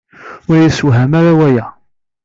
Ur iyi-yessewhem ara waya.